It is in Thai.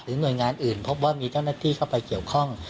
หน่วยงานอื่นพบว่ามีเจ้าหน้าที่เข้าไปเกี่ยวข้อง